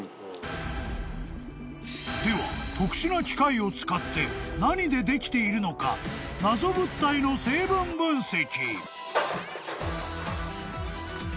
［では特殊な機械を使って何でできているのか謎物体の成分分析］